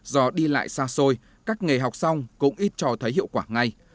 do đi lại xa xôi các nghề học xong cũng ít cho thấy hiệu quả ngay